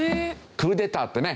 クーデターってね